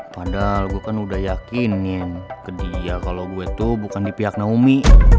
padahal gue kan udah yakinin ke dia kalau gue tuh bukan di pihak naomi